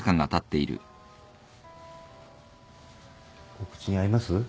お口に合います？